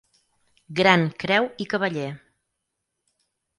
Gran Creu i Cavaller.